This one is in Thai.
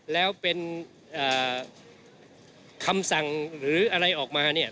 แล้วเป็นคำสั่งหรืออะไรออกมาเนี่ย